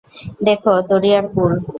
দেখো, দরিয়ার কূল।